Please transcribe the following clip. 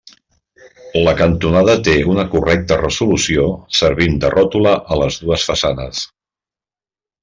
La cantonada té una correcta resolució, servint de ròtula a les dues façanes.